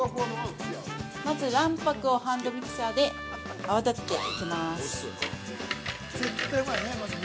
◆まず卵白をハンドミキサーで泡立てていきます。